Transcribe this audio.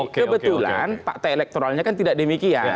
tidak kebetulan pak t e kan tidak demikian